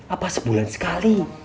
apa sebulan sekali